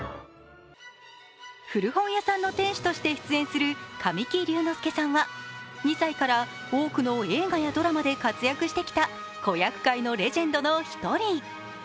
古本屋さんの店主として出演する神木隆之介さんは２歳から多くの映画やドラマで活躍してきた子役界のレジェンドの１人。